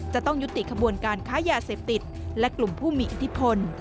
จะต้องยุติขบวนการค้ายาเสพติดและกลุ่มผู้มีอิทธิพล